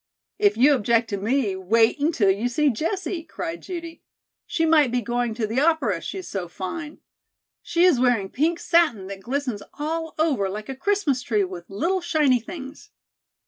"If you object to me, wait until you see Jessie," cried Judy. "She might be going to the opera, she is so fine. She is wearing pink satin that glistens all over like a Christmas tree with little shiny things."